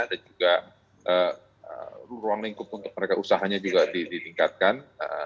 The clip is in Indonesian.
dan juga ruang lingkup untuk mereka usahanya juga ditingkatkan